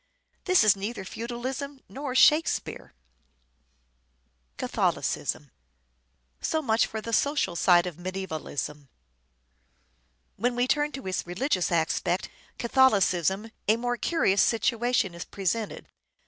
This is neither feudalism nor " Shakespeare." So much for the social side of medievalism. When Catholicism we turn to its religious aspect, Catholicism, a more curious situation is presented.